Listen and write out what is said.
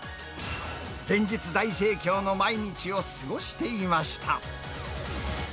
連日、大盛況の毎日を過ごしていました。